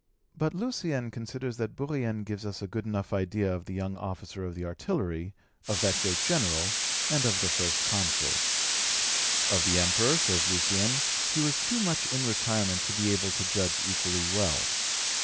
But Lucien considers that Bourrienne gives us a good enough idea of the young officer of the artillery, of the great General, and of the First Consul. Of the Emperor, says Lucien, he was too much in retirement to be able to judge equally well.